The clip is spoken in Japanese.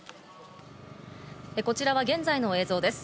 こちらは現在の映像です。